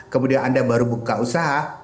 kemudian anda baru buka usaha